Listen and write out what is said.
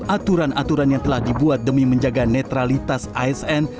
aturan aturan yang telah dibuat demi menjaga netralitas asn